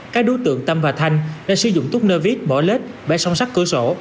các đối tượng tâm và thanh đã sử dụng túp nơ vít bỏ lết bẻ song sắt cửa sổ